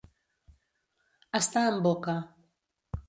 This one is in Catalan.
Estar en boca.